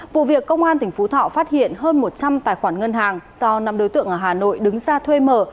vụ việc công an tỉnh phú thọ phát hiện hơn một trăm linh tài khoản ngân hàng do năm đối tượng ở hà nội đứng ra thuê mở